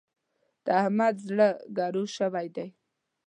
د احمد زړه ګرو شوی دی.